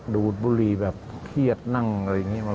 ดูดบุหรี่แบบเครียดนั่งอะไรอย่างนี้